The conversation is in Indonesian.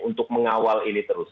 untuk mengawal ini terus